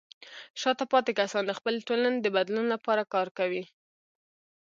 شاته پاتې کسان د خپلې ټولنې د بدلون لپاره کار کوي.